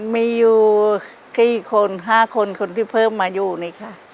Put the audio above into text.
มีอยู่๔คน๕คนคนที่เพิ่มมาอยู่นี่ค่ะ